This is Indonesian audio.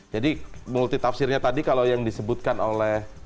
jadi multi tafsirnya tadi kalau yang disebutkan oleh